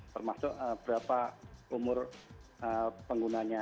termasuk berapa umur penggunanya